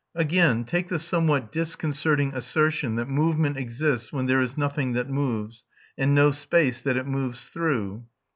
Again, take the somewhat disconcerting assertion that movement exists when there is nothing that moves, and no space that it moves through.